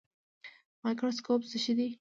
مایکروسکوپ څه شی دی؟